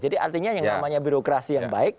jadi artinya yang namanya birokrasi yang baik